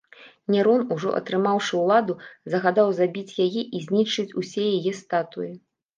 Нерон, ужо атрымаўшы ўладу, загадаў забіць яе і знішчыць усе яе статуі.